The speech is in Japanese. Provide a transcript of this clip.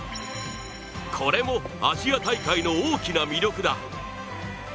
これも、アジア大会の大きな魅力だ。